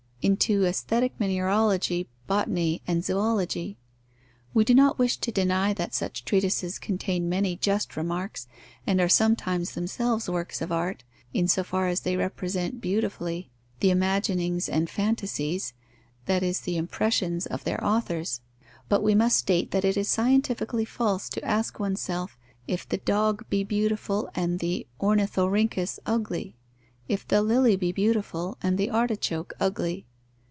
into Aesthetic Mineralogy, Botany, and Zoology. We do not wish to deny that such treatises contain many just remarks, and are sometimes themselves works of art, in so far as they represent beautifully the imaginings and fantasies, that is the impressions, of their authors. But we must state that it is scientifically false to ask oneself if the dog be beautiful, and the ornithorhynchus ugly; if the lily be beautiful, and the artichoke ugly.